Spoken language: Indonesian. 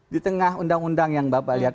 di tengah undang undang yang bapak lihat